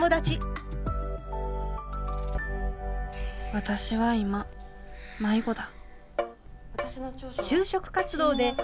私は今迷子だ。